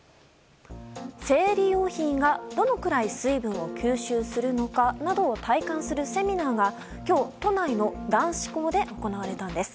生理用品がどのくらい水分を吸収するのかなどを体感するセミナーが今日、都内の男子校で行われたんです。